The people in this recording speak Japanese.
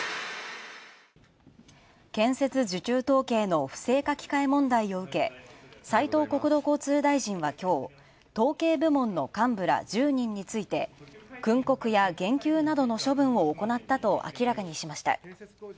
建設受注統計の不正書き換え問題を受け斉藤国土交通大臣は、きょう統計部門の幹部ら１０人について訓告や減給などの処分を行ったと明らかにしました。